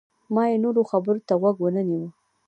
ما یې نورو خبرو ته غوږ ونه نیوه.